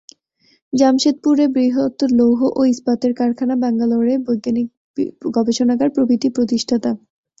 জামসেদপুরে বৃহৎ লৌহ ও ইস্পাতের কারখানা, বাঙ্গালোরে বৈজ্ঞানিক গবেষণাগার প্রভৃতি প্রতিষ্ঠাতা।